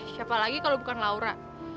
siapa lagi kalau bukan laura